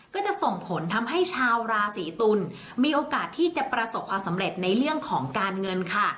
ก็จะส่งผลทำให้ชาวราศีตุลมีโอกาสที่จะประสบความสำเร็จในเรื่องของการเงินค่ะ